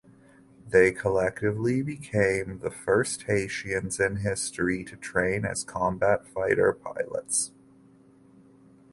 They collectively became the first Haitians in history to train as combat fighter pilots.